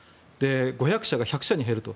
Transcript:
５００社が１００社に減ると。